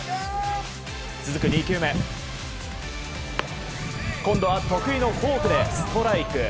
続く２球目、今度は得意のフォークでストライク。